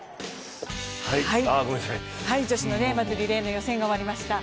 女子のリレーの予選が終わりました。